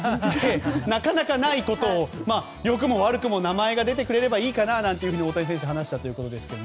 なかなかないことを良くも悪くも名前が出てくれればいいかななんて大谷選手も話したそうですが。